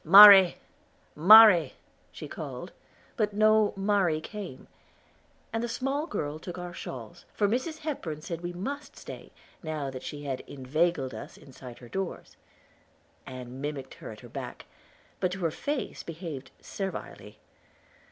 "Mari, Mari," she called, but no Mari came, and the small girl took our shawls, for Mrs. Hepburn said we must stay, now that she had inveigled us inside her doors. Ann mimicked her at her back, but to her face behaved servilely.